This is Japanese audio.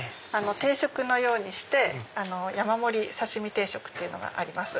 定食のようにして山盛り刺身定食っていうのがあります。